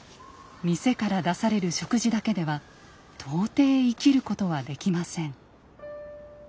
店から出される食事だけでは到底生きることはできません。